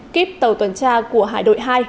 kíp tàu tuần tra của hải đội hai